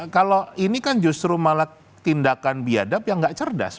kalau ini kan justru malah tindakan biadab yang nggak cerdas